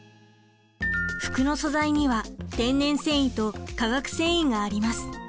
服の素材には天然繊維と化学繊維があります。